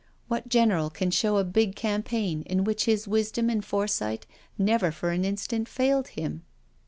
What general can show a big campaign in which his wisdom and foresight never for an instant failed him?